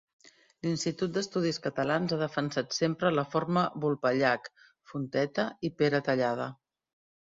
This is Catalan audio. L'Institut d'Estudis Catalans ha defensat sempre la forma Vulpellac, Fonteta i Peratallada.